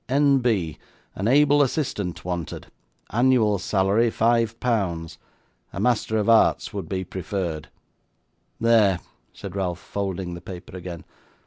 N.B. An able assistant wanted. Annual salary 5 pounds. A Master of Arts would be preferred." 'There!' said Ralph, folding the paper again.